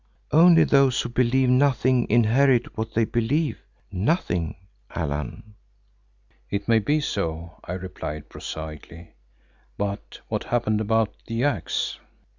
Only those who believe nothing inherit what they believe—nothing, Allan." "It may be so," I replied prosaically, "but what happened about the axe?"